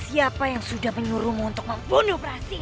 siapa yang sudah menyuruhmu untuk membunuh prasini